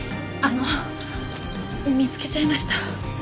あの見つけちゃいました。